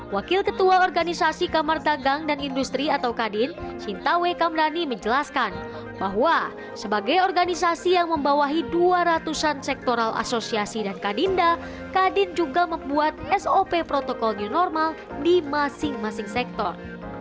wakil ketua organisasi kamar dagang dan industri atau kadin sintawe kamdani menjelaskan bahwa sebagai organisasi yang membawahi dua ratus an sektoral asosiasi dan kadinda kadin juga membuat sop protokol new normal di masing masing sektor